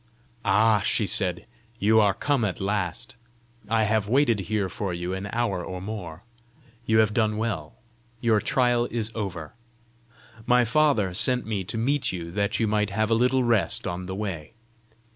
"Ah," she said, "you are come at last! I have waited here for you an hour or more! You have done well! Your trial is over. My father sent me to meet you that you might have a little rest on the way.